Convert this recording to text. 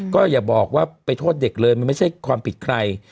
ก็อย่าบอกว่าไปโทษเด็กเลยมันไม่ใช่ความผิดใคร